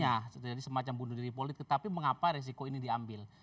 harusnya jadi semacam bunuh diri politik tapi mengapa resiko ini diambil